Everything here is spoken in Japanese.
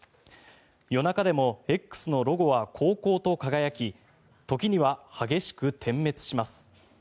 夜中でもＸのロゴは煌々と輝き時には激しく点滅します。